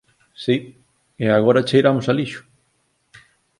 Si. E agora cheiramos a lixo.